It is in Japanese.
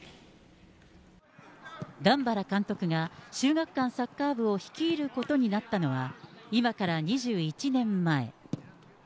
段原監督が、秀岳館サッカー部を率いることになったのは、今から２１年前。